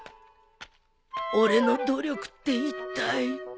俺の努力っていったい